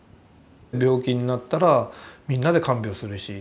病気になったらみんなで看病するし。